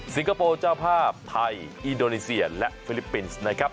คโปร์เจ้าภาพไทยอินโดนีเซียและฟิลิปปินส์นะครับ